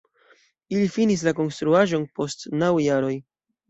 Ili finis la konstruaĵon post naŭ jaroj.